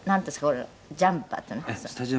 これジャンパーっていうの？